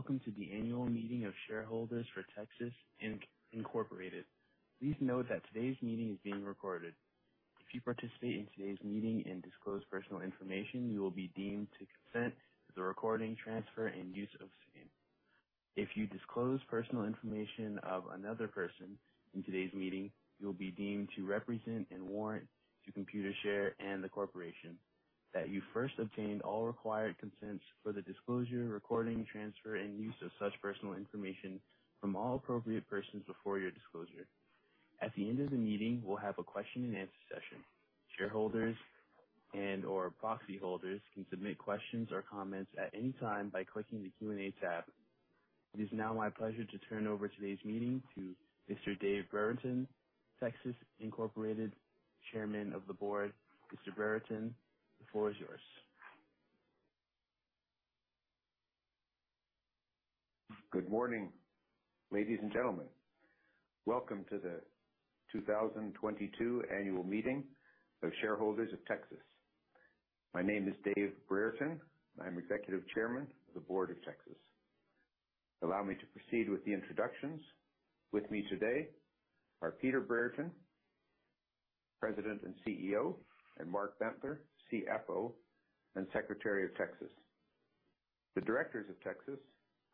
Hello, and welcome to the annual meeting of shareholders for Tecsys Inc. Please note that today's meeting is being recorded. If you participate in today's meeting and disclose personal information, you will be deemed to consent to the recording, transfer, and use of same. If you disclose personal information of another person in today's meeting, you will be deemed to represent and warrant to Computershare and the corporation that you first obtained all required consents for the disclosure, recording, transfer, and use of such personal information from all appropriate persons before your disclosure. At the end of the meeting, we'll have a question and answer session. Shareholders and/or proxy holders can submit questions or comments at any time by clicking the Q&A tab. It is now my pleasure to turn over today's meeting to Mr. Dave Brereton, Chairman of the Board, Tecsys Incorporated. Mr. Brereton, the floor is yours. Good morning, ladies and gentlemen. Welcome to the 2022 annual meeting of shareholders of Tecsys. My name is Dave Brereton, and I'm Executive Chairman of the Board of Tecsys. Allow me to proceed with the introductions. With me today are Peter Brereton, President and CEO, and Mark Bentler, CFO and Secretary of Tecsys. The directors of Tecsys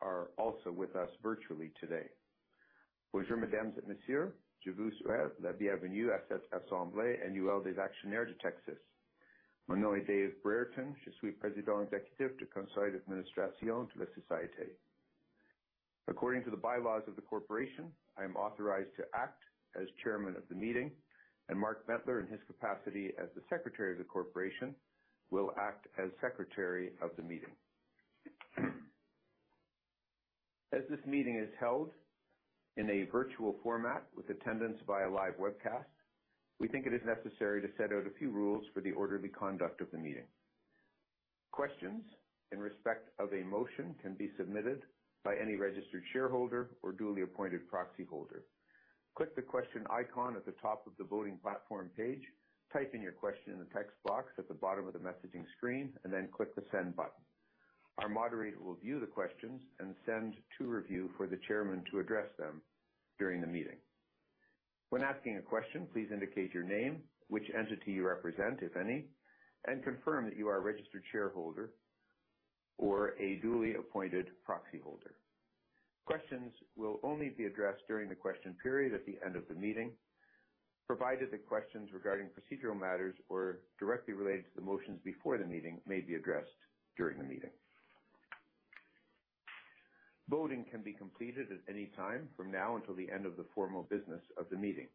are also with us virtually today. According to the bylaws of the corporation, I am authorized to act as chairman of the meeting, and Mark Bentler, in his capacity as the secretary of the corporation, will act as secretary of the meeting. As this meeting is held in a virtual format with attendance via live webcast, we think it is necessary to set out a few rules for the orderly conduct of the meeting. Questions in respect of a motion can be submitted by any registered shareholder or duly appointed proxy holder. Click the question icon at the top of the voting platform page, type in your question in the text box at the bottom of the messaging screen, and then click the send button. Our moderator will view the questions and send to review for the chairman to address them during the meeting. When asking a question, please indicate your name, which entity you represent, if any, and confirm that you are a registered shareholder or a duly appointed proxy holder. Questions will only be addressed during the question period at the end of the meeting, provided the questions regarding procedural matters or directly related to the motions before the meeting may be addressed during the meeting. Voting can be completed at any time from now until the end of the formal business of the meeting.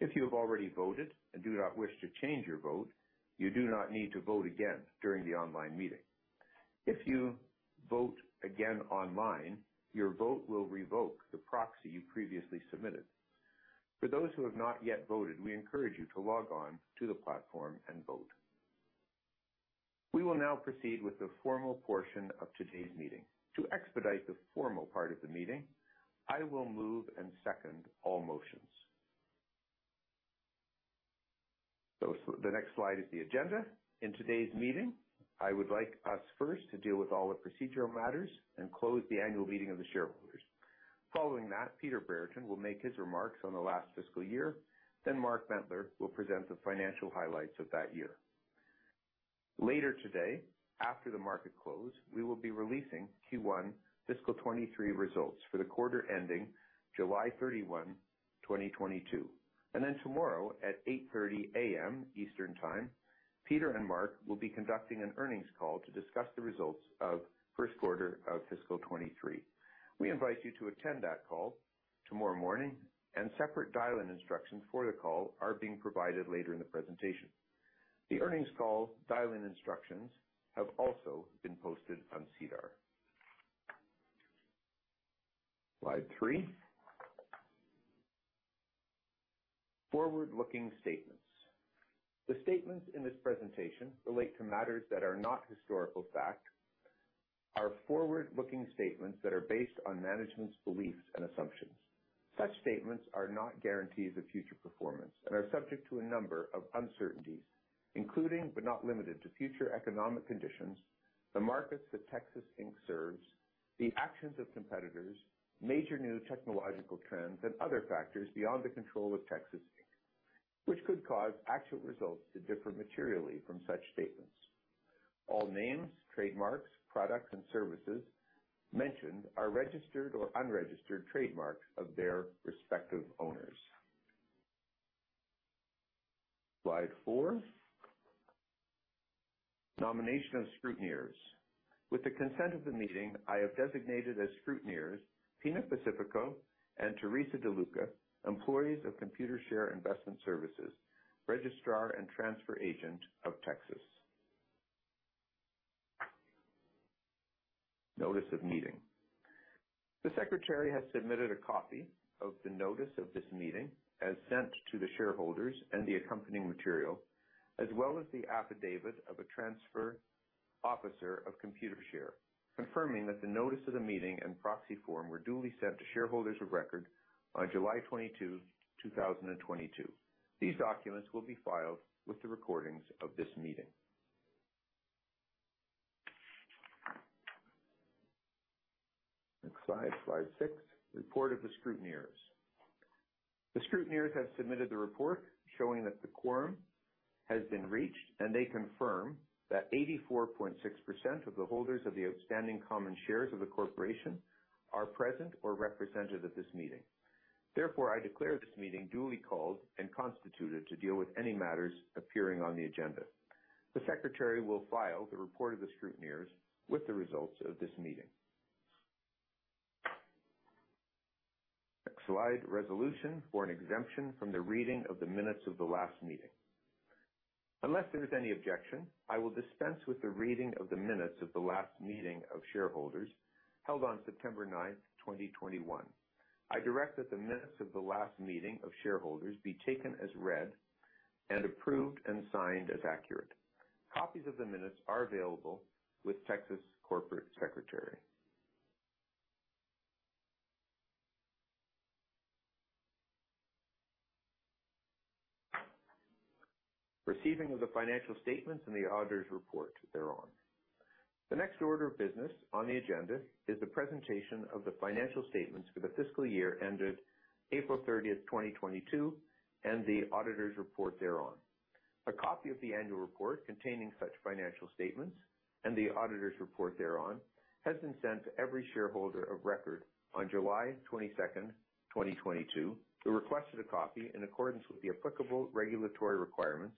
If you have already voted and do not wish to change your vote, you do not need to vote again during the online meeting. If you vote again online, your vote will revoke the proxy you previously submitted. For those who have not yet voted, we encourage you to log on to the platform and vote. We will now proceed with the formal portion of today's meeting. To expedite the formal part of the meeting, I will move and second all motions. The next slide is the agenda. In today's meeting, I would like us first to deal with all the procedural matters and close the annual meeting of the shareholders. Following that, Peter Brereton will make his remarks on the last fiscal year. Then Mark Bentler will present the financial highlights of that year. Later today, after the market close, we will be releasing Q1 fiscal 2023 results for the quarter ending July 31, 2022. Tomorrow at 8:30 A.M. Eastern Time, Peter and Mark will be conducting an earnings call to discuss the results of first quarter of fiscal 2023. We invite you to attend that call tomorrow morning, and separate dial-in instructions for the call are being provided later in the presentation. The earnings call dial-in instructions have also been posted on SEDAR. Slide three. Forward-looking statements. The statements in this presentation relate to matters that are not historical fact, are forward-looking statements that are based on management's beliefs and assumptions. Such statements are not guarantees of future performance and are subject to a number of uncertainties, including, but not limited to, future economic conditions, the markets that Tecsys Inc. serves, the actions of competitors, major new technological trends, and other factors beyond the control of Tecsys Inc., which could cause actual results to differ materially from such statements. All names, trademarks, products, and services mentioned are registered or unregistered trademarks of their respective owners. Slide four. Nomination of scrutineers. With the consent of the meeting, I have designated as scrutineers Pina Pacifico and Theresa De Luca, employees of Computershare Investor Services, registrar and transfer agent of Tecsys Inc. Notice of meeting. The secretary has submitted a copy of the notice of this meeting as sent to the shareholders and the accompanying material, as well as the affidavit of a transfer officer of Computershare, confirming that the notice of the meeting and proxy form were duly sent to shareholders of record on July 22, 2022. These documents will be filed with the recordings of this meeting. Next slide six. Report of the scrutineers. The scrutineers have submitted the report showing that the quorum has been reached, and they confirm that 84.6% of the holders of the outstanding common shares of the corporation are present or represented at this meeting. Therefore, I declare this meeting duly called and constituted to deal with any matters appearing on the agenda. The secretary will file the report of the scrutineers with the results of this meeting. Next slide, resolution for an exemption from the reading of the minutes of the last meeting. Unless there is any objection, I will dispense with the reading of the minutes of the last meeting of shareholders held on September 9th, 2021. I direct that the minutes of the last meeting of shareholders be taken as read and approved, and signed as accurate. Copies of the minutes are available with Tecsys corporate secretary. Receiving of the financial statements and the auditor's report thereon. The next order of business on the agenda is the presentation of the financial statements for the fiscal year ended April 30th, 2022, and the auditor's report thereon. A copy of the annual report containing such financial statements and the auditor's report thereon has been sent to every shareholder of record on July 22nd, 2022, who requested a copy in accordance with the applicable regulatory requirements,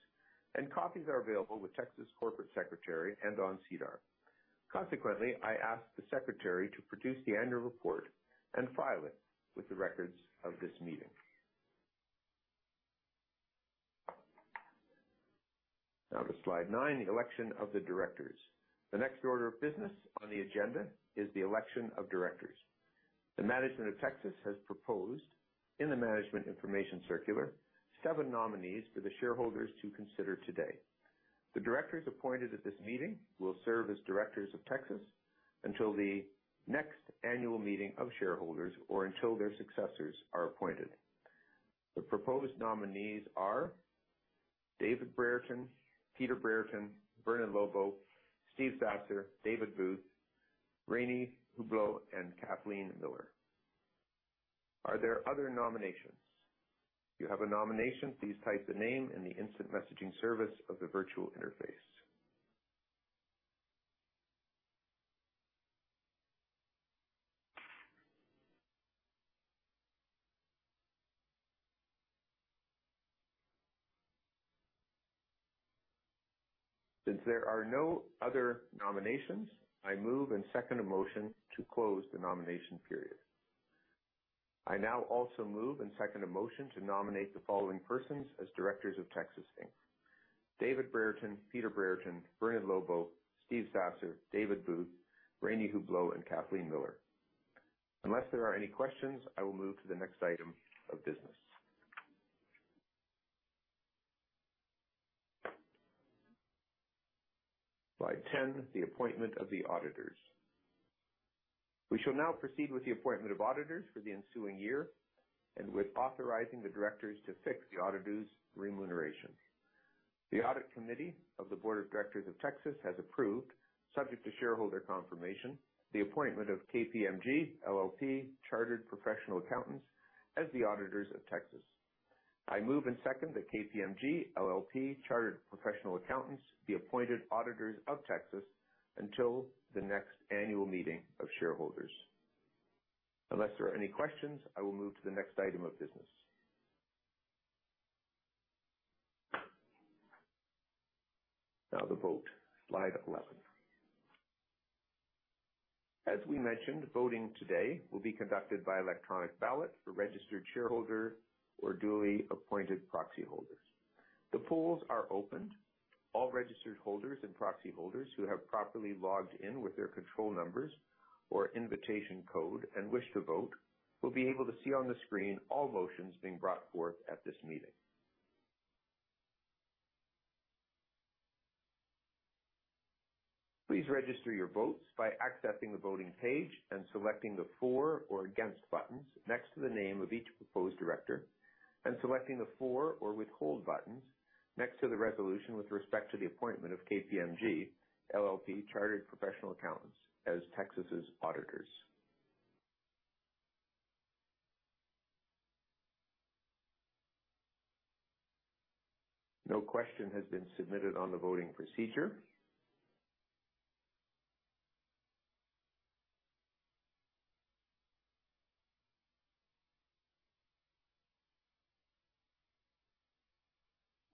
and copies are available with Tecsys Corporate Secretary and on SEDAR. Consequently, I ask the secretary to produce the annual report and file it with the records of this meeting. Now to slide nine, the election of the directors. The next order of business on the agenda is the election of directors. The management of Tecsys has proposed in the management information circular, seven nominees for the shareholders to consider today. The directors appointed at this meeting will serve as directors of Tecsys until the next annual meeting of shareholders or until their successors are appointed. The proposed nominees are Dave Brereton, Peter Brereton, Vernon Lobo, Steve Sasser, David Booth, Rani Hublou, and Kathleen Miller. Are there other nominations? If you have a nomination, please type the name in the instant messaging service of the virtual interface. Since there are no other nominations, I move and second a motion to close the nomination period. I now also move and second a motion to nominate the following persons as directors of Tecsys Inc. Dave Brereton, Peter Brereton, Vernon Lobo, Steve Sasser, David Booth, Rani Hublou, and Kathleen Miller. Unless there are any questions, I will move to the next item of business. Slide 10, the appointment of the auditors. We shall now proceed with the appointment of auditors for the ensuing year and with authorizing the directors to fix the auditors' remuneration. The audit committee of the board of directors of Tecsys has approved, subject to shareholder confirmation, the appointment of KPMG LLP Chartered Professional Accountants as the auditors of Tecsys. I move and second that KPMG LLP Chartered Professional Accountants be appointed auditors of Tecsys until the next annual meeting of shareholders. Unless there are any questions, I will move to the next item of business. Now the vote. Slide 11. As we mentioned, voting today will be conducted by electronic ballot for registered shareholder or duly appointed proxy holders. The polls are open. All registered holders and proxy holders who have properly logged in with their control numbers or invitation code and wish to vote will be able to see on the screen all motions being brought forth at this meeting. Please register your votes by accessing the voting page and selecting the for or against buttons next to the name of each proposed director, and selecting the for or withhold buttons next to the resolution with respect to the appointment of KPMG LLP Chartered Professional Accountants as Tecsys' auditors. No question has been submitted on the voting procedure.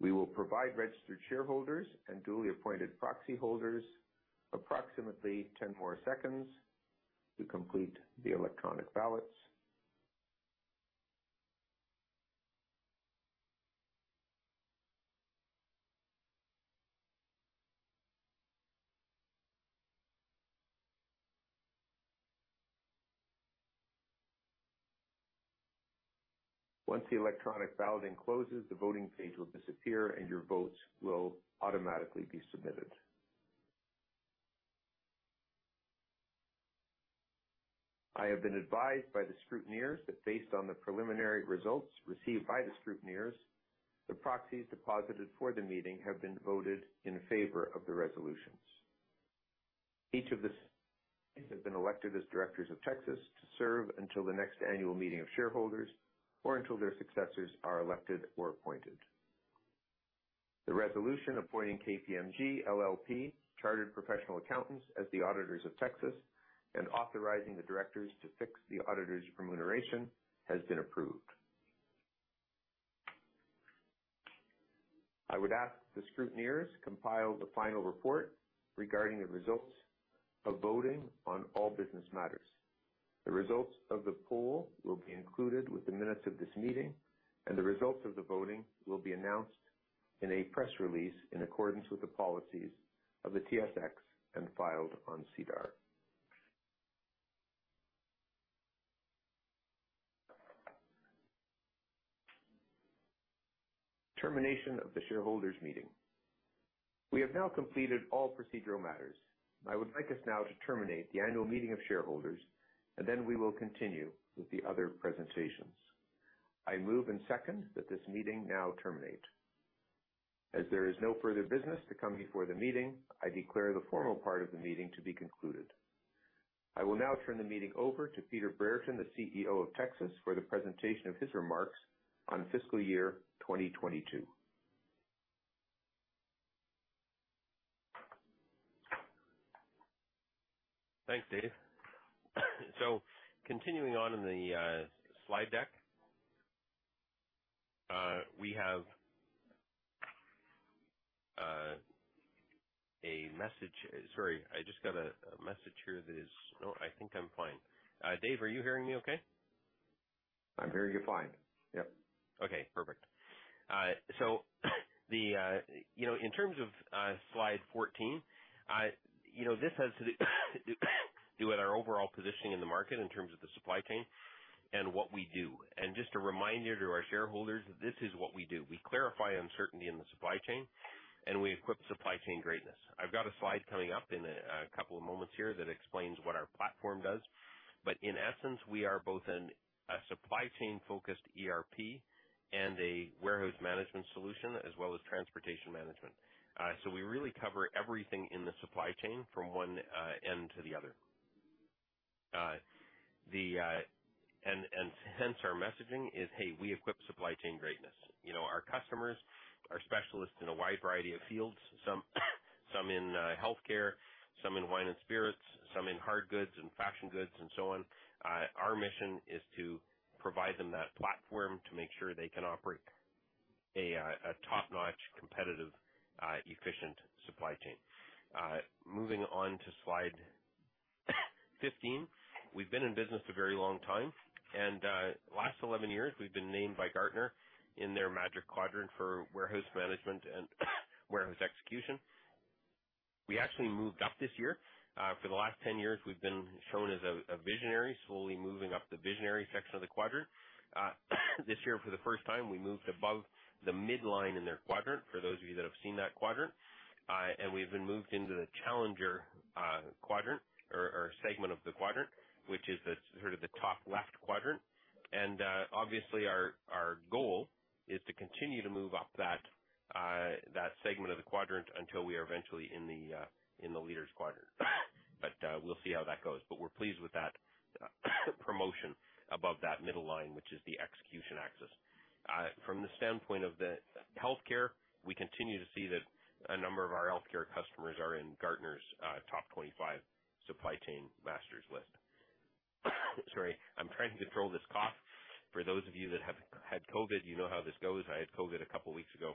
We will provide registered shareholders and duly appointed proxy holders approximately 10 more seconds to complete the electronic ballots. Once the electronic balloting closes, the voting page will disappear, and your votes will automatically be submitted. I have been advised by the scrutineers that based on the preliminary results received by the scrutineers, the proxies deposited for the meeting have been voted in favor of the resolutions. Each of these have been elected as directors of Tecsys to serve until the next annual meeting of shareholders, or until their successors are elected or appointed. The resolution appointing KPMG LLP Chartered Professional Accountants as the auditors of Tecsys, and authorizing the directors to fix the auditors' remuneration has been approved. I would ask the scrutineers compile the final report regarding the results of voting on all business matters. The results of the poll will be included with the minutes of this meeting, and the results of the voting will be announced in a press release in accordance with the policies of the TSX and filed on SEDAR. Termination of the shareholders' meeting. We have now completed all procedural matters. I would like us now to terminate the annual meeting of shareholders, and then we will continue with the other presentations. I move and second that this meeting now terminate. As there is no further business to come before the meeting, I declare the formal part of the meeting to be concluded. I will now turn the meeting over to Peter Brereton, the CEO of Tecsys, for the presentation of his remarks on fiscal year 2022. Thanks, Dave. Continuing on in the slide deck, we have a message. Sorry, I just got a message here. No, I think I'm fine. Dave, are you hearing me okay? I'm hearing you fine. Yep. Okay, perfect. In terms of slide 14, this has to do with our overall positioning in the market in terms of the supply chain and what we do. Just a reminder to our shareholders, this is what we do. We clarify uncertainty in the supply chain, and we equip supply chain greatness. I've got a slide coming up in a couple of moments here that explains what our platform does. In essence, we are both a supply chain-focused ERP and a warehouse management solution as well as transportation management. We really cover everything in the supply chain from one end to the other. Hence our messaging is, hey, we equip supply chain greatness. Our customers are specialists in a wide variety of fields, some in healthcare, some in wine and spirits, some in hard goods and fashion goods and so on. Our mission is to provide them that platform to make sure they can operate a top-notch, competitive, efficient supply chain. Moving on to slide 15. We've been in business a very long time, and last 11 years, we've been named by Gartner in their Magic Quadrant for warehouse management and warehouse execution. We actually moved up this year. For the last 10 years, we've been shown as a visionary, slowly moving up the visionary section of the quadrant. This year, for the first time, we moved above the midline in their quadrant, for those of you that have seen that quadrant. Obviously our goal is to continue to move up that segment of the quadrant until we are eventually in the Leaders Quadrant. We'll see how that goes. We're pleased with that promotion above that middle line, which is the execution axis. From the standpoint of the healthcare, we continue to see that a number of our healthcare customers are in Gartner's top 25 Supply Chain Masters list. Sorry, I'm trying to control this cough. For those of you that have had COVID, you know how this goes. I had COVID a couple of weeks ago,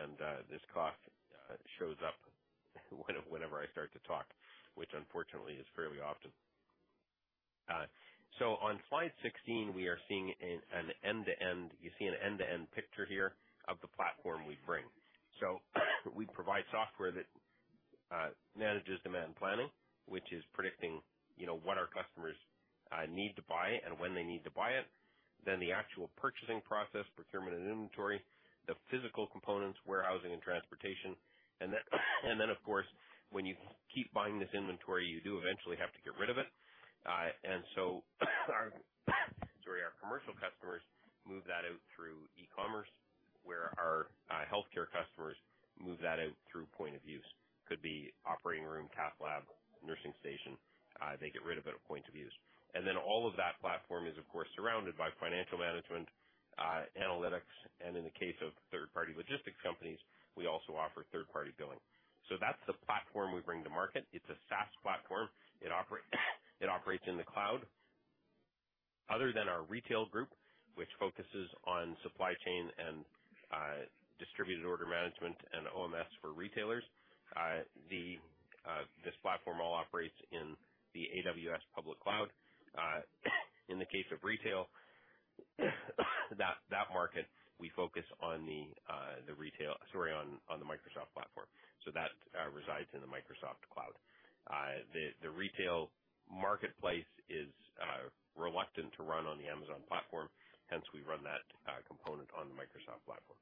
and this cough shows up whenever I start to talk, which unfortunately is fairly often. On slide 16, we are seeing an end-to-end. You see an end-to-end picture here of the platform we bring. We provide software that manages demand planning, which is predicting what our customers need to buy and when they need to buy it. Then the actual purchasing process, procurement, and inventory, the physical components, warehousing and transportation. Of course, when you keep buying this inventory, you do eventually have to get rid of it. Sorry. Our commercial customers move that out through e-commerce, where our healthcare customers move that out through point of use. Could be operating room, cath lab, nursing station. They get rid of it at point of use. All of that platform is, of course, surrounded by financial management, analytics, and in the case of third-party logistics companies, we also offer third-party billing. That's the platform we bring to market. It's a SaaS platform. It operates in the cloud. Other than our retail group, which focuses on supply chain and distributed order management and OMS for retailers, this platform all operates in the AWS public cloud. In the case of retail, that market, we focus on the Microsoft platform. That resides in the Microsoft cloud. The retail marketplace is reluctant to run on the Amazon platform, hence we run that component on the Microsoft platform.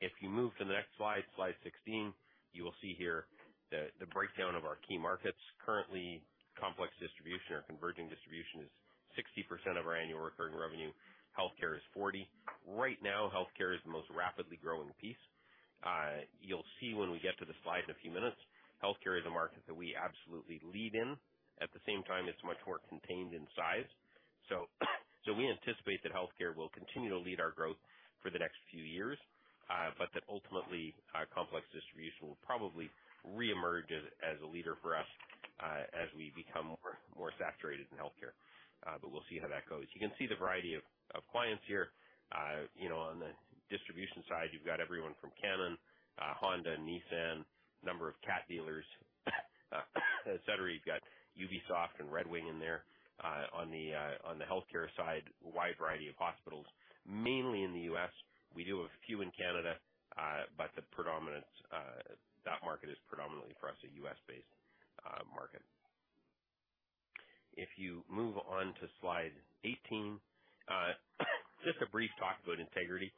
If you move to the next slide 16, you will see here the breakdown of our key markets. Currently, complex distribution or converging distribution is 60% of our annual recurring revenue. Healthcare is 40%. Right now, healthcare is the most rapidly growing piece. You'll see when we get to the slide in a few minutes, healthcare is a market that we absolutely lead in. At the same time, it's much more contained in size. We anticipate that healthcare will continue to lead our growth for the next few years, but that ultimately, complex distribution will probably reemerge as a leader for us as we become more saturated in healthcare. We'll see how that goes. You can see the variety of clients here. On the distribution side, you've got everyone from Canon, Honda, Nissan, a number of Caterpillar dealers, etc. You've got Ubisoft and Red Wing in there. On the healthcare side, a wide variety of hospitals, mainly in the U.S. We do a few in Canada, but that market is predominantly, for us, a U.S.-based market. If you move on to slide 18, just a brief talk about integrity.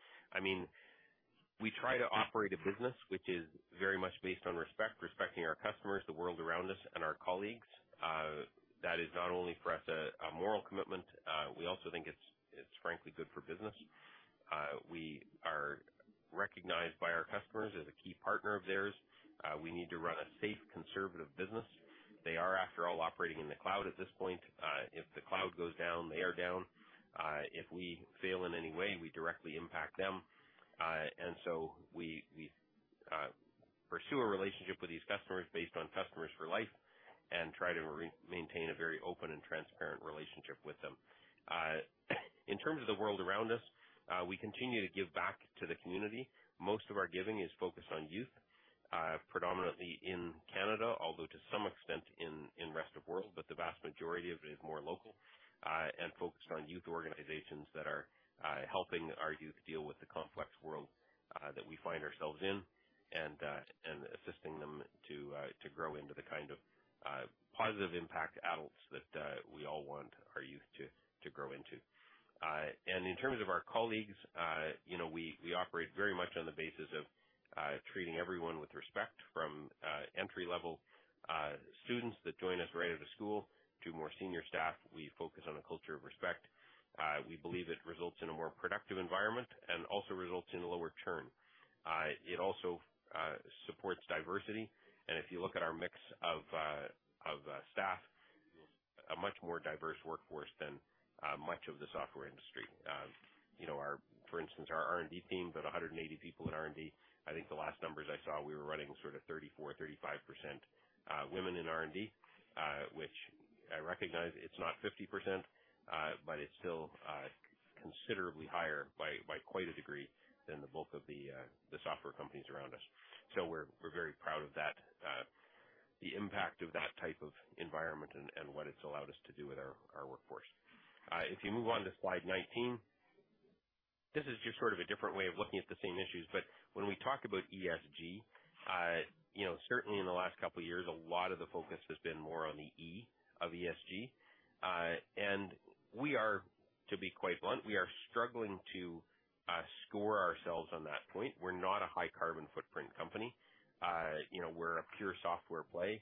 We try to operate a business which is very much based on respect, respecting our customers, the world around us, and our colleagues. That is not only for us a moral commitment, we also think it's frankly good for business. We are recognized by our customers as a key partner of theirs. We need to run a safe, conservative business. They are, after all, operating in the cloud at this point. If the cloud goes down, they are down. If we fail in any way, we directly impact them. We pursue a relationship with these customers based on customers for life and try to maintain a very open and transparent relationship with them. In terms of the world around us, we continue to give back to the community. Most of our giving is focused on youth, predominantly in Canada, although to some extent in rest of world, but the vast majority of it is more local and focused on youth organizations that are helping our youth deal with the complex world that we find ourselves in and assisting them to grow into the kind of positive impact adults that we all want our youth to grow into. In terms of our colleagues, we operate very much on the basis of treating everyone with respect, from entry-level students that join us right out of school to more senior staff. We focus on a culture of respect. We believe it results in a more productive environment and also results in lower churn. It also supports diversity, and if you look at our mix of staff, a much more diverse workforce than much of the software industry. For instance, our R&D team, about 180 people in R&D, I think the last numbers I saw, we were running sort of 34%-35% women in R&D, which I recognize it's not 50%, but it's still considerably higher by quite a degree than the bulk of the software companies around us. We're very proud of that, the impact of that type of environment and what it's allowed us to do with our workforce. If you move on to slide 19, this is just sort of a different way of looking at the same issues. When we talk about ESG, certainly in the last couple of years, a lot of the focus has been more on the E of ESG. We are, to be quite blunt, we are struggling to score ourselves on that point. We're not a high carbon footprint company. We're a pure software play.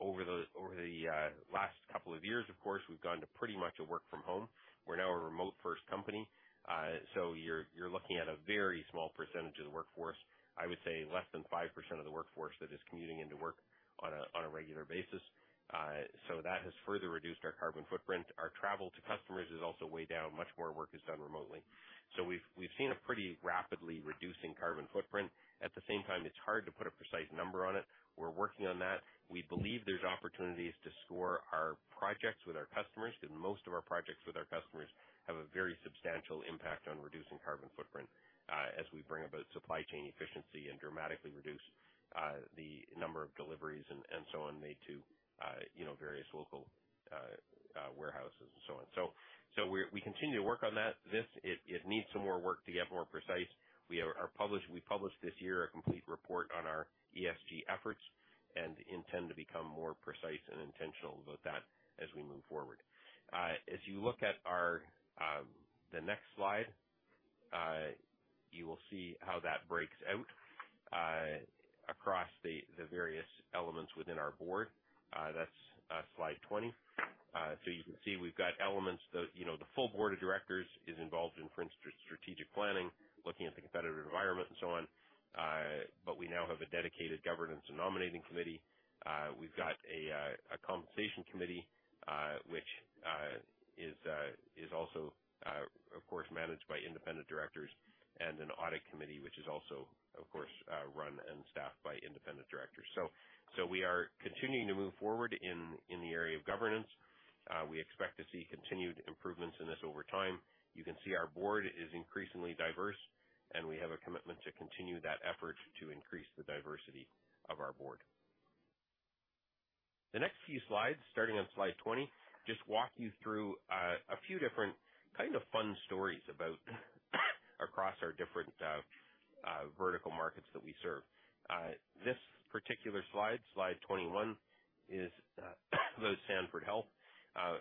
Over the last couple of years, of course, we've gone to pretty much a work-from-home. We're now a remote-first company. You're looking at a very small percentage of the workforce, I would say less than 5% of the workforce that is commuting into work on a regular basis. That has further reduced our carbon footprint. Our travel to customers is also way down. Much more work is done remotely. We've seen a pretty rapidly reducing carbon footprint. At the same time, it's hard to put a precise number on it. We're working on that. We believe there's opportunities to score our projects with our customers, that most of our projects with our customers have a very substantial impact on reducing carbon footprint as we bring about supply chain efficiency and dramatically reduce the number of deliveries and so on made to various local warehouses and so on. We continue to work on that. It needs some more work to get more precise. We published this year a complete report on our ESG efforts and intend to become more precise and intentional about that as we move forward. As you look at the next slide, you will see how that breaks out across the various elements within our board. That's slide 20. You can see we've got elements. The full board of directors is involved in, for instance, strategic planning, looking at the competitive environment and so on, but we now have a dedicated governance and nominating committee. We've got a compensation committee, which is also, of course, managed by independent directors, and an audit committee, which is also, of course, run and staffed by independent directors. We are continuing to move forward in the area of governance. We expect to see continued improvements in this over time. You can see our board is increasingly diverse, and we have a commitment to continue that effort to increase the diversity of our board. The next few slides, starting on slide 20, just walk you through a few different kind of fun stories about, across our different vertical markets that we serve. This particular slide 21, is those Sanford Health.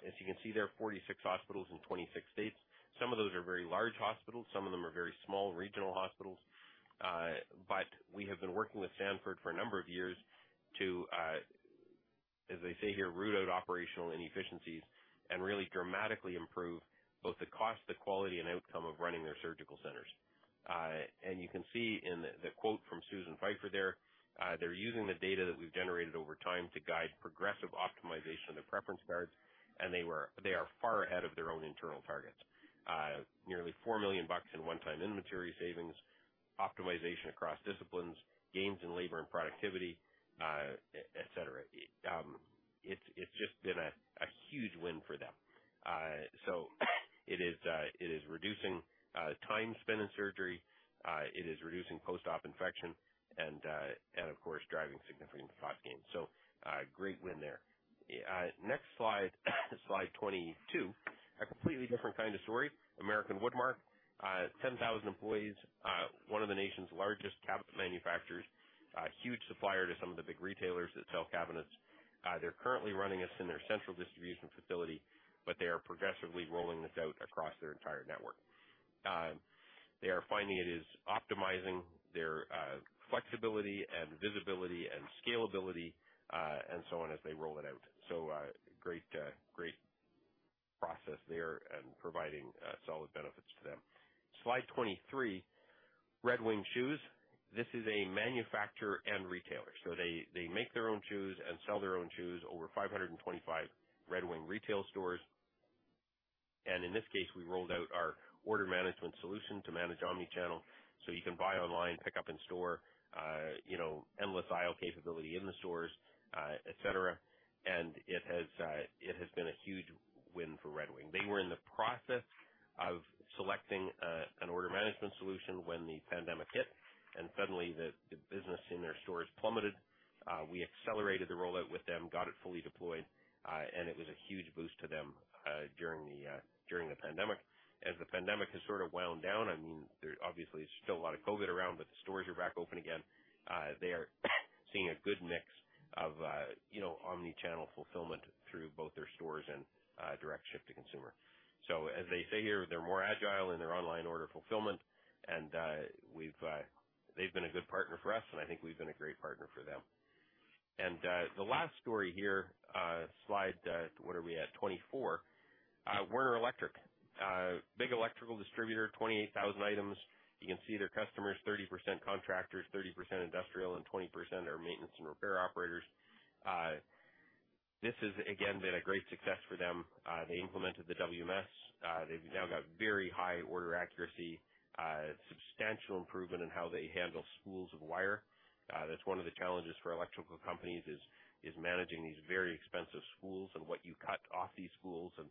As you can see there, 46 hospitals in 26 states. Some of those are very large hospitals, some of them are very small regional hospitals. We have been working with Sanford for a number of years to, as they say here, root out operational inefficiencies and really dramatically improve both the cost, the quality, and outcome of running their surgical centers. You can see in the quote from Susan Pfeiffer there, they're using the data that we've generated over time to guide progressive optimization of their preference cards. They are far ahead of their own internal targets. Nearly $4 million in one-time inventory savings, optimization across disciplines, gains in labor and productivity, et cetera. It's just been a huge win for them. It is reducing time spent in surgery. It is reducing post-op infection and, of course, driving significant cost gains. Great win there. Next slide 22. A completely different kind of story. American Woodmark, 10,000 employees, one of the nation's largest cabinet manufacturers, a huge supplier to some of the big retailers that sell cabinets. They're currently running us in their central distribution facility, but they are progressively rolling this out across their entire network. They are finding it is optimizing their flexibility and visibility and scalability, and so on as they roll it out. Great process there and providing solid benefits to them. Slide 23, Red Wing Shoes. This is a manufacturer and retailer, so they make their own shoes and sell their own shoes. Over 525 Red Wing Shoes retail stores. In this case, we rolled out our order management solution to manage omnichannel, so you can buy online, pick up in store, endless aisle capability in the stores, et cetera. It has been a huge win for Red Wing Shoes. They were in the process of selecting an order management solution when the pandemic hit, and suddenly the business in their stores plummeted. We accelerated the rollout with them, got it fully deployed, and it was a huge boost to them during the pandemic. As the pandemic has sort of wound down, there's obviously still a lot of COVID around, but the stores are back open again. They are seeing a good mix of omnichannel fulfillment through both their stores and direct ship to consumer. As they say here, they're more agile in their online order fulfillment, and they've been a good partner for us, and I think we've been a great partner for them. The last story here, slide, what are we at, 24. Werner Electric. Big electrical distributor, 28,000 items. You can see their customers, 30% contractors, 30% industrial, and 20% are maintenance and repair operators. This has, again, been a great success for them. They implemented the WMS. They've now got very high order accuracy, substantial improvement in how they handle spools of wire. That's one of the challenges for electrical companies is managing these very expensive spools and what you cut off these spools. If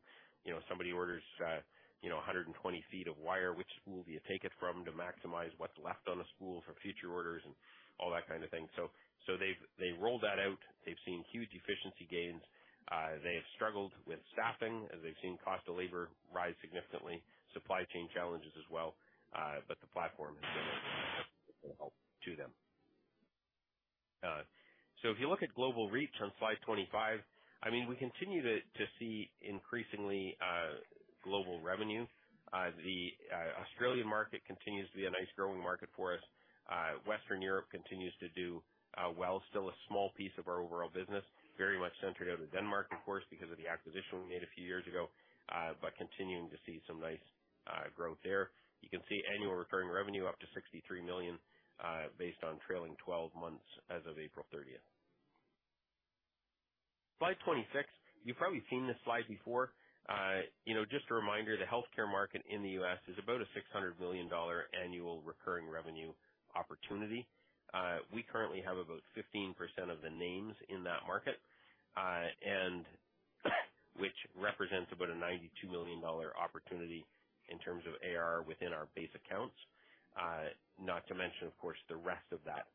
somebody orders 120 ft of wire, which spool do you take it from to maximize what's left on the spool for future orders and all that kind of thing. They've rolled that out. They've seen huge efficiency gains. They have struggled with staffing as they've seen cost of labor rise significantly. Supply chain challenges as well. The platform has been of help to them. If you look at global reach on slide 25, we continue to see increasingly global revenue. The Australian market continues to be a nice growing market for us. Western Europe continues to do well. Still a small piece of our overall business, very much centered out of Denmark, of course, because of the acquisition we made a few years ago, but continuing to see some nice growth there. You can see annual recurring revenue up to 63 million, based on trailing 12 months as of April 30th. Slide 26. You've probably seen this slide before. Just a reminder, the healthcare market in the U.S. is about a $600 million annual recurring revenue opportunity. We currently have about 15% of the names in that market, which represents about 92 million dollar opportunity in terms of ARR within our base accounts. Not to mention, of course, the rest of that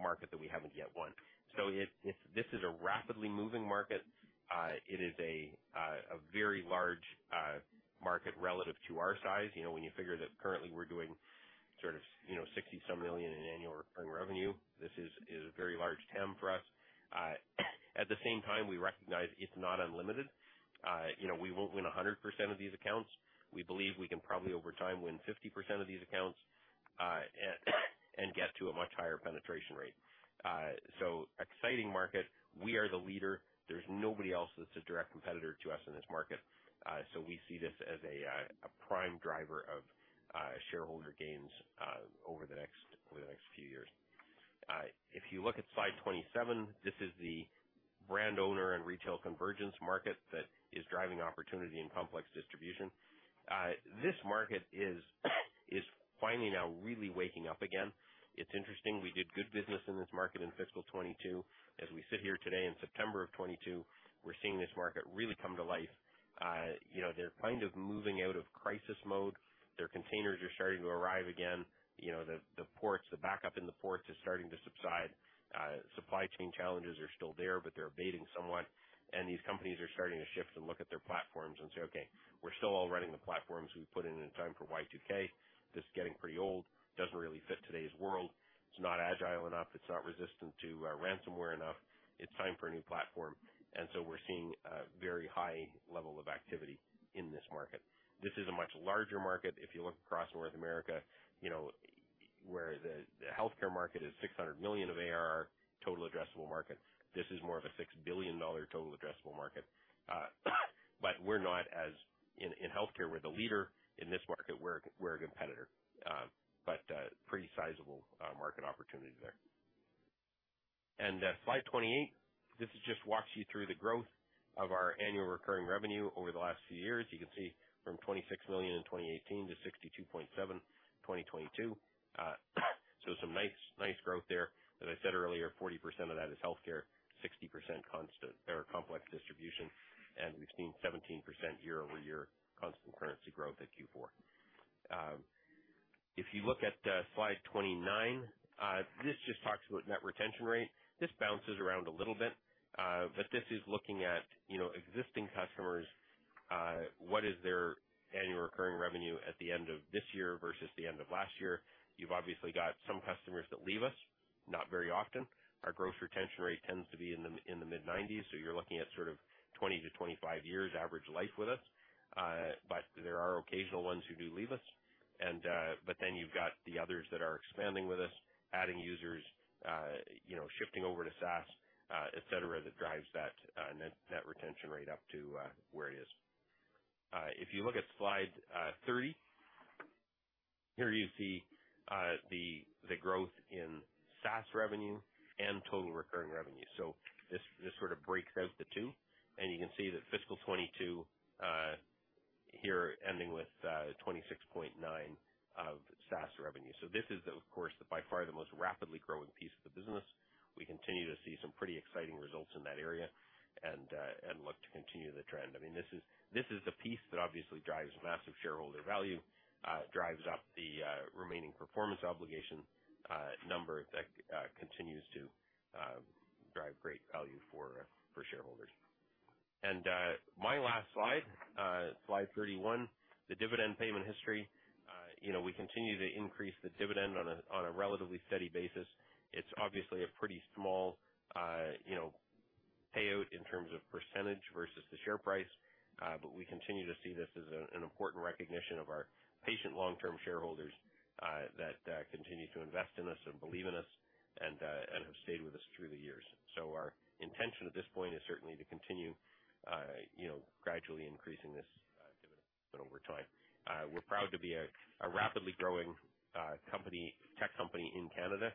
market that we haven't yet won. This is a rapidly moving market. It is a very large market relative to our size. When you figure that currently we're doing 60-some million in annual recurring revenue, this is a very large TAM for us. At the same time, we recognize it's not unlimited. We won't win 100% of these accounts. We believe we can probably, over time, win 50% of these accounts, and get to a much higher penetration rate. Exciting market. We are the leader. There's nobody else that's a direct competitor to us in this market. We see this as a prime driver of shareholder gains over the next few years. If you look at slide 27, this is the brand owner and retail convergence market that is driving opportunity in complex distribution. This market is finally now really waking up again. It's interesting, we did good business in this market in fiscal 2022. As we sit here today in September of 2022, we're seeing this market really come to life. They're kind of moving out of crisis mode. Their containers are starting to arrive again. The backup in the ports is starting to subside. Supply chain challenges are still there, but they're abating somewhat. These companies are starting to shift and look at their platforms and say, "Okay, we're still all running the platforms we put in in time for Y2K. This is getting pretty old. Doesn't really fit today's world. It's not agile enough. It's not resistant to ransomware enough. It's time for a new platform." We're seeing a very high level of activity in this market. This is a much larger market if you look across North America where the healthcare market is $600 million of ARR total addressable market. This is more of a $6 billion total addressable market. In healthcare, we're the leader. In this market, we're a competitor. Pretty sizable market opportunity there. Slide 28, this just walks you through the growth of our annual recurring revenue over the last few years. You can see from 26 million in 2018 to 62.7 million in 2022. Some nice growth there. As I said earlier, 40% of that is healthcare, 60% consumer or complex distribution, and we've seen 17% year-over-year constant currency growth at Q4. If you look at slide 29, this just talks about net retention rate. This bounces around a little bit. This is looking at existing customers, what is their annual recurring revenue at the end of this year versus the end of last year? You've obviously got some customers that leave us, not very often. Our gross retention rate tends to be in the mid-90s, so you're looking at sort of 20-25 years average life with us. There are occasional ones who do leave us. You've got the others that are expanding with us, adding users, shifting over to SaaS, et cetera, that drives that net retention rate up to where it is. If you look at slide 30, here you see the growth in SaaS revenue and total recurring revenue. This sort of breaks out the two, and you can see that fiscal 2022 here ending with 26.9 million of SaaS revenue. This is, of course, by far the most rapidly growing piece of the business. We continue to see some pretty exciting results in that area and look to continue the trend. I mean, this is the piece that obviously drives massive shareholder value, drives up the Remaining Performance Obligation number that continues to drive great value for shareholders. My last slide 31, the dividend payment history. We continue to increase the dividend on a relatively steady basis. It's obviously a pretty small payout in terms of percentage versus the share price. We continue to see this as an important recognition of our patient long-term shareholders that continue to invest in us and believe in us and have stayed with us through the years. Our intention at this point is certainly to continue gradually increasing this dividend over time. We're proud to be a rapidly growing tech company in Canada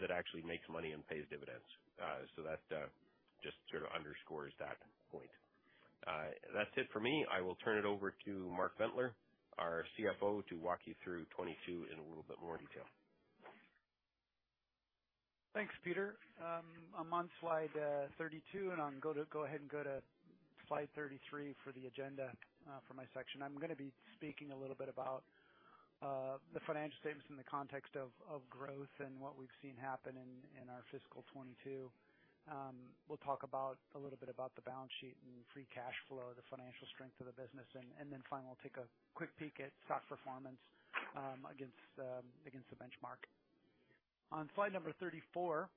that actually makes money and pays dividends. That just sort of underscores that point. That's it for me. I will turn it over to Mark Bentler, our CFO, to walk you through 2022 in a little bit more detail. Thanks, Peter. I'm on slide 32, and I'll go ahead and go to slide 33 for the agenda for my section. I'm going to be speaking a little bit about the financial statements in the context of growth and what we've seen happen in our fiscal 2022. We'll talk a little bit about the balance sheet and free cash flow, the financial strength of the business. Then finally, we'll take a quick peek at stock performance against the benchmark. On slide number 34,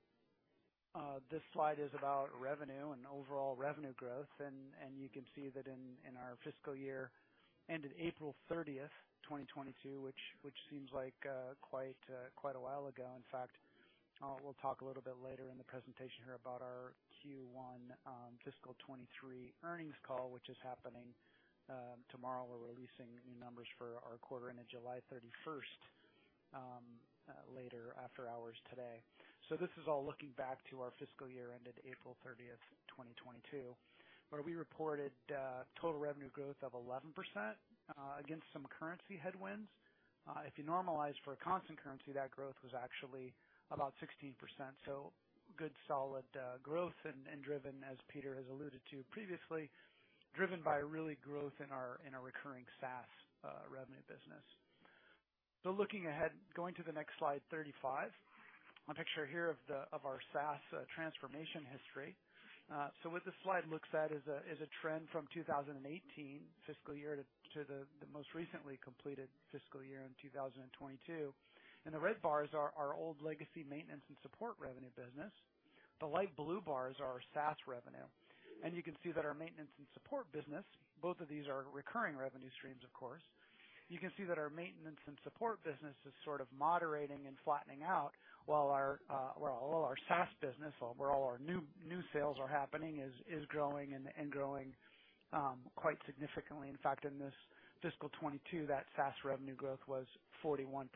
this slide is about revenue and overall revenue growth, and you can see that in our fiscal year ended April 30th, 2022, which seems like quite a while ago. In fact, we'll talk a little bit later in the presentation here about our Q1 fiscal 2023 earnings call, which is happening tomorrow. We're releasing new numbers for our quarter end of July 31st, later after hours today. This is all looking back to our fiscal year ended April 30th, 2022, where we reported total revenue growth of 11% against some currency headwinds. If you normalize for a constant currency, that growth was actually about 16%. Good solid growth and, as Peter has alluded to previously, driven by really growth in our recurring SaaS revenue business. Looking ahead, going to the next slide 35. A picture here of our SaaS transformation history. What this slide looks at is a trend from 2018 fiscal year to the most recently completed fiscal year in 2022. The red bars are our old legacy maintenance and support revenue business. The light blue bars are our SaaS revenue. You can see that our maintenance and support business, both of these are recurring revenue streams, of course. You can see that our maintenance and support business is sort of moderating and flattening out, while all our SaaS business, where all our new sales are happening, is growing, and growing quite significantly. In fact, in this fiscal 2022, that SaaS revenue growth was 41%.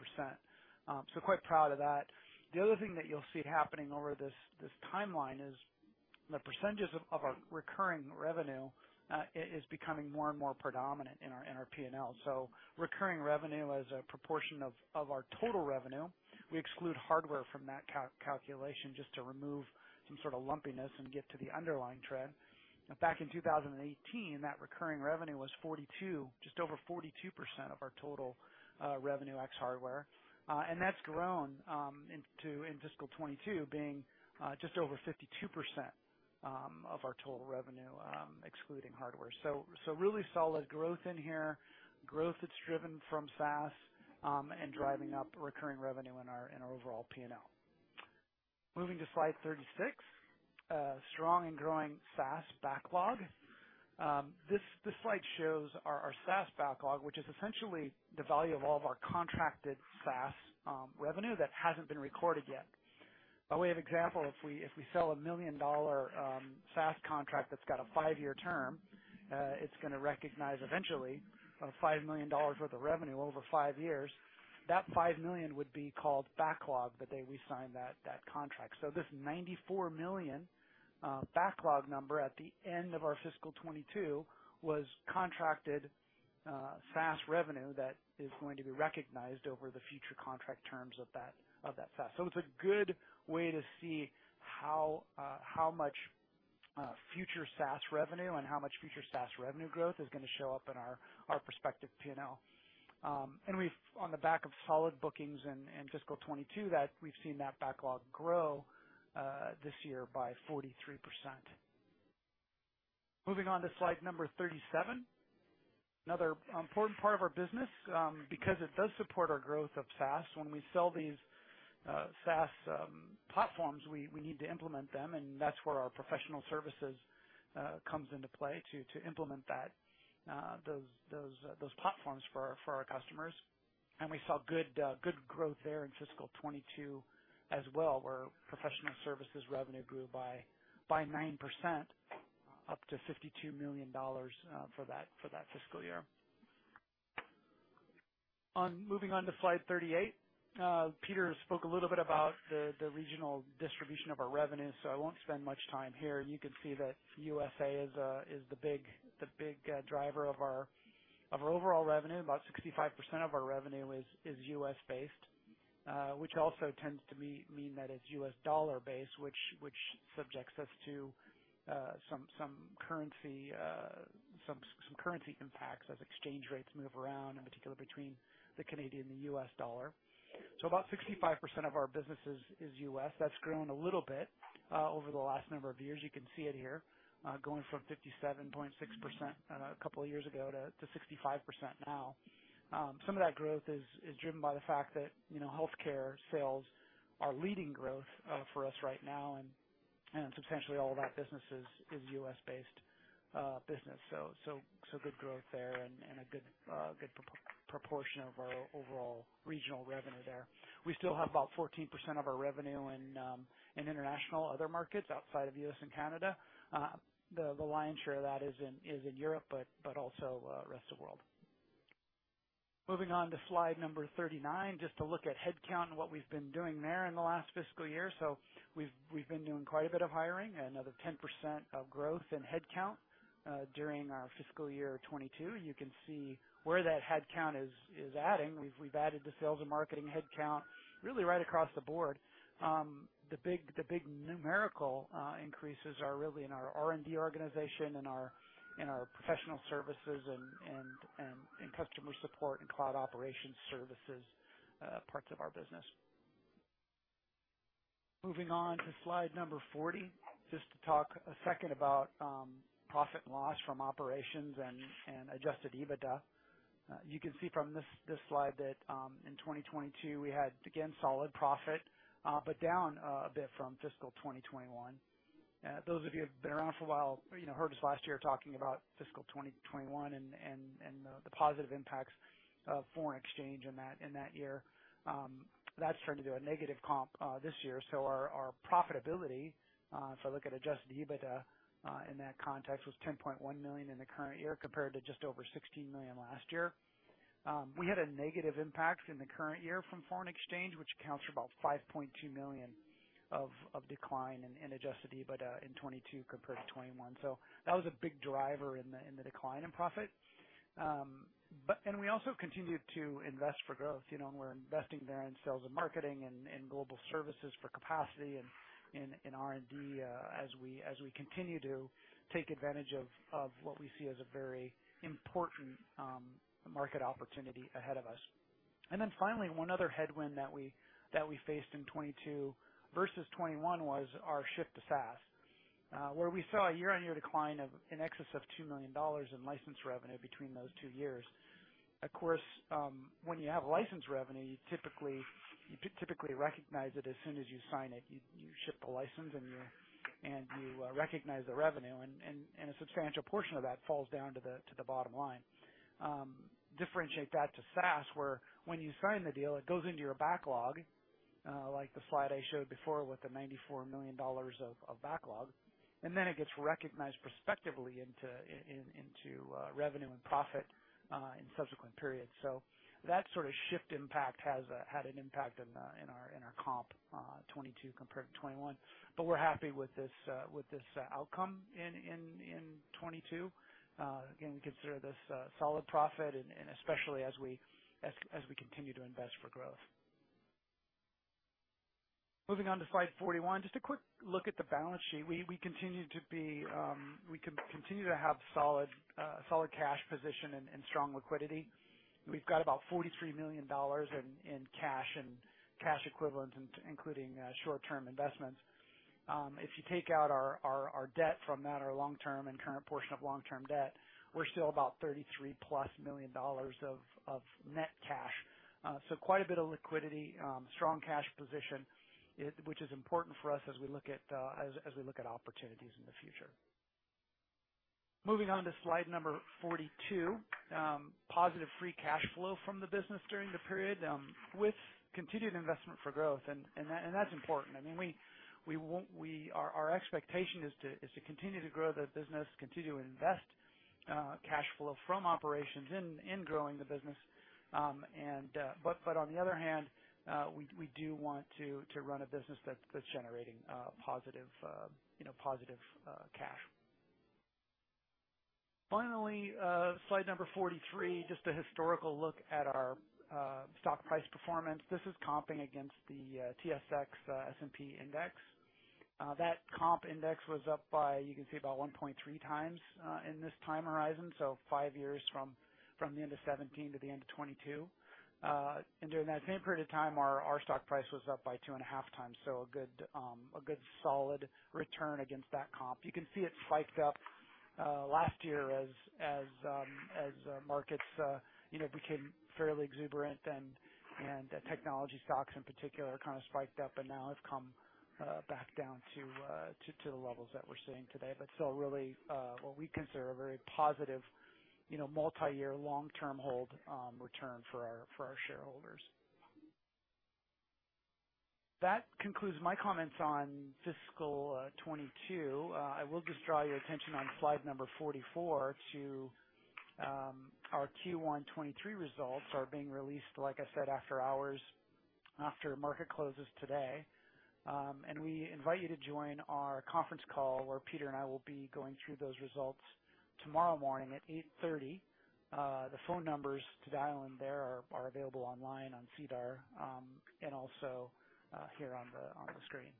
Quite proud of that. The other thing that you'll see happening over this timeline is the percentage of our recurring revenue is becoming more and more predominant in our P&L. Recurring revenue as a proportion of our total revenue. We exclude hardware from that calculation just to remove some sort of lumpiness and get to the underlying trend. Back in 2018, that recurring revenue was just over 42% of our total revenue, ex hardware. That's grown in fiscal 2022, being just over 52% of our total revenue, excluding hardware. Really solid growth in here, growth that's driven from SaaS, and driving up recurring revenue in our overall P&L. Moving to slide 36, strong and growing SaaS backlog. This slide shows our SaaS backlog, which is essentially the value of all of our contracted SaaS revenue that hasn't been recorded yet. By way of example, if we sell a 1 million dollar SaaS contract that's got a five-year term, it's going to recognize eventually 5 million dollars worth of revenue over five years. That 5 million would be called backlog the day we sign that contract. This 94 million backlog number at the end of our fiscal 2022 was contracted SaaS revenue that is going to be recognized over the future contract terms of that SaaS. It's a good way to see how much future SaaS revenue and how much future SaaS revenue growth is going to show up in our prospective P&L. On the back of solid bookings in fiscal 2022, we've seen that backlog grow this year by 43%. Moving on to slide 37, another important part of our business, because it does support our growth of SaaS. When we sell these SaaS platforms, we need to implement them, and that's where our professional services comes into play to implement those platforms for our customers. We saw good growth there in fiscal 2022 as well, where professional services revenue grew by 9%, up to 52 million dollars for that fiscal year. Moving on to slide 38. Peter spoke a little bit about the regional distribution of our revenue, so I won't spend much time here. You can see that USA is the big driver of our overall revenue. About 65% of our revenue is U.S.-based, which also tends to mean that it's U.S. dollar based, which subjects us to some currency impacts as exchange rates move around, in particular between the Canadian and the U.S. dollar. About 65% of our business is U.S. That's grown a little bit over the last number of years. You can see it here, going from 57.6% a couple of years ago to 65% now. Some of that growth is driven by the fact that healthcare sales are leading growth for us right now, and substantially all of that business is U.S.-based business. Good growth there and a good proportion of our overall regional revenue there. We still have about 14% of our revenue in international other markets outside of U.S. and Canada. The lion's share of that is in Europe, but also rest of world. Moving on to slide 39, just to look at headcount and what we've been doing there in the last fiscal year. We've been doing quite a bit of hiring, another 10% of growth in headcount during our fiscal year 2022. You can see where that headcount is adding. We've added to sales and marketing headcount really right across the board. The big numerical increases are really in our R&D organization and our professional services and customer support and cloud operations services parts of our business. Moving on to slide 40, just to talk a second about profit and loss from operations and Adjusted EBITDA. You can see from this slide that in 2022, we had, again, solid profit, but down a bit from fiscal 2021. Those of you who have been around for a while heard us last year talking about fiscal 2021 and the positive impacts of foreign exchange in that year. That's turned into a negative comp this year, so our profitability, if I look at Adjusted EBITDA in that context, was 10.1 million in the current year compared to just over 16 million last year. We had a negative impact in the current year from foreign exchange, which accounts for about 5.2 million of decline in Adjusted EBITDA in 2022 compared to 2021. That was a big driver in the decline in profit. We also continued to invest for growth. We're investing there in sales and marketing and global services for capacity and in R&D as we continue to take advantage of what we see as a very important market opportunity ahead of us. Finally, one other headwind that we faced in 2022 versus 2021 was our shift to SaaS, where we saw a year-on-year decline of in excess of 2 million dollars in license revenue between those two years. Of course, when you have license revenue, you typically recognize it as soon as you sign it. You ship the license, and you recognize the revenue, and a substantial portion of that falls down to the bottom line. Differentiate that to SaaS, where when you sign the deal, it goes into your backlog, like the slide I showed before with the 94 million dollars of backlog, and then it gets recognized prospectively into revenue and profit in subsequent periods. That sort of shift impact has had an impact in our comp 2022 compared to 2021. We're happy with this outcome in 2022. Again, we consider this solid profit and especially as we continue to invest for growth. Moving on to slide 41, just a quick look at the balance sheet. We continue to have solid cash position and strong liquidity. We've got about 43 million dollars in cash and cash equivalents, including short-term investments. If you take out our debt from that, our long-term and current portion of long-term debt, we're still about +33 million dollars of net cash. So quite a bit of liquidity. Strong cash position, which is important for us as we look at opportunities in the future. Moving on to slide number 42. Positive free cash flow from the business during the period, with continued investment for growth, and that's important. Our expectation is to continue to grow the business, continue to invest cash flow from operations in growing the business. On the other hand, we do want to run a business that's generating a positive cash. Finally, slide 43, just a historical look at our stock price performance. This is compared against the S&P/TSX Composite Index. That comp index was up by, you can see, about 1.3 times, in this time horizon, so five years from the end of 2017 to the end of 2022. During that same period of time, our stock price was up by 2.5 times. A good solid return against that comp. You can see it spiked up last year as markets became fairly exuberant, and technology stocks in particular kind of spiked up and now have come back down to the levels that we're seeing today. Still really what we consider a very positive multi-year long-term hold return for our shareholders. That concludes my comments on fiscal 2022. I will just draw your attention on slide number 44 to our Q1 2023 results are being released, like I said, after hours, after market closes today. We invite you to join our conference call, where Peter and I will be going through those results tomorrow morning at 8:30 A.M. The phone numbers to dial in there are available online on SEDAR, and also here on the screen.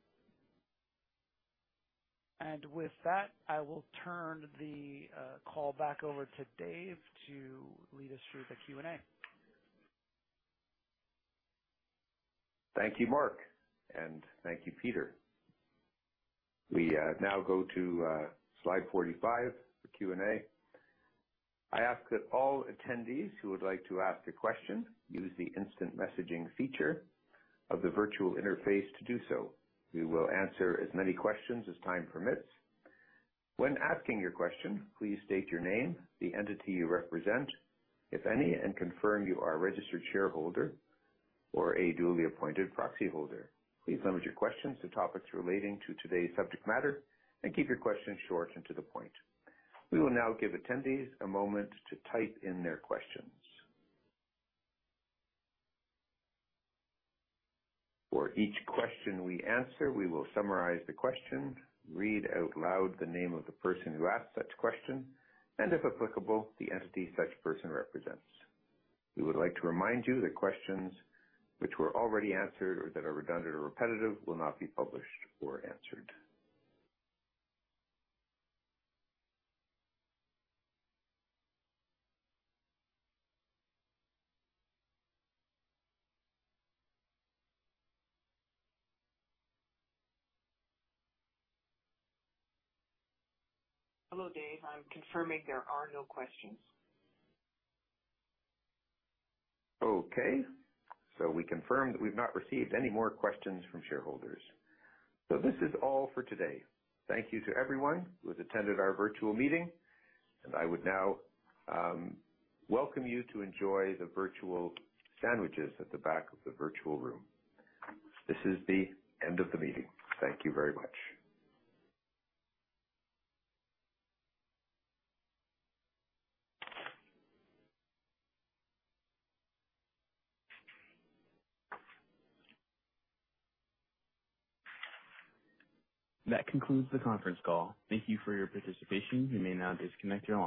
With that, I will turn the call back over to Dave to lead us through the Q&A. Thank you, Mark. Thank you, Peter. We now go to slide 45, the Q&A. I ask that all attendees who would like to ask a question use the instant messaging feature of the virtual interface to do so. We will answer as many questions as time permits. When asking your question, please state your name, the entity you represent, if any, and confirm you are a registered shareholder or a duly appointed proxyholder. Please limit your questions to topics relating to today's subject matter, and keep your questions short and to the point. We will now give attendees a moment to type in their questions. For each question we answer, we will summarize the question, read out loud the name of the person who asked such question, and if applicable, the entity such person represents. We would like to remind you that questions which were already answered or that are redundant or repetitive will not be published or answered. Hello, Dave. I'm confirming there are no questions. Okay, we confirm that we've not received any more questions from shareholders. This is all for today. Thank you to everyone who has attended our virtual meeting, and I would now welcome you to enjoy the virtual sandwiches at the back of the virtual room. This is the end of the meeting. Thank you very much. That concludes the conference call. Thank you for your participation. You may now disconnect your line.